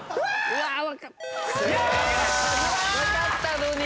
わかったのに！